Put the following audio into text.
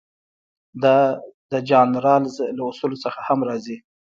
دا د جان رالز له اصولو څخه هم راځي.